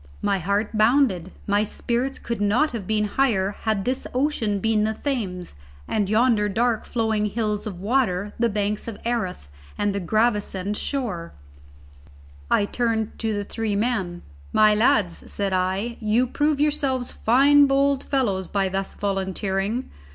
My heart bounded; my spirits could not have been higher had this ocean been the Thames, and yonder dark flowing hills of water the banks of Erith and the Gravesend shore. I turned to the three men: "My lads," said I, "you prove yourselves fine bold fellows by thus volunteering.